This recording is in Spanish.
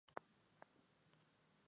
Tercera Bienal de La Habana.